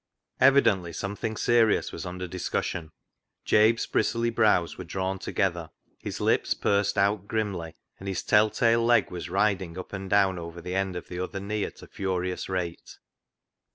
Evidently something serious was under dis cussion. Jabe's bristly brows were drawn together, his lips pursed out grimly, and his tell tale leg was riding up and down over the end of the other knee at a furious rate.